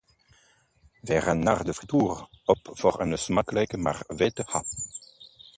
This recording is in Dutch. We gaan naar de frituur voor een smakelijke maar vette hap.